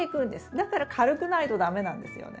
だから軽くないと駄目なんですよね。